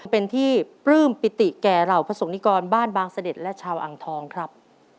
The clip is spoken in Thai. เป็นที่ปลื้มปิติแก่เหล่าพระสงนิกรบ้านบางเสด็จและชาวอังทองครับ